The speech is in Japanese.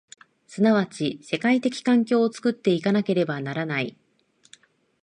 即ち世界的環境を作って行かなければならない。